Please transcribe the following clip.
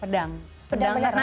pedang pedang apa maksudnya